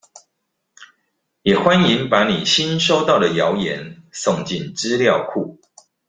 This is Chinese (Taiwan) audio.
也歡迎把你新收到的謠言送進資料庫